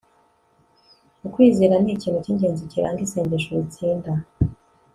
Ukwizera ni ikintu cyingenzi kiranga isengesho ritsinda